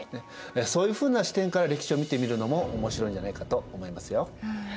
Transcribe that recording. そういうふうな視点から歴史を見てみるのも面白いんじゃないかと思いますよ。